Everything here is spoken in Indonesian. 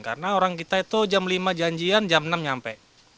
karena orang kita itu jam lima janjian jam enam nyampe